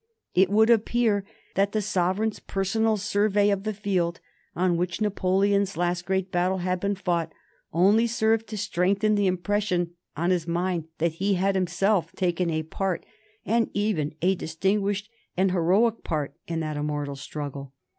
It would appear that the sovereign's personal survey of the field on which Napoleon's last great battle had been fought only served to strengthen the impression on his mind that he had himself taken a part, and even a distinguished and heroic part, in that immortal struggle.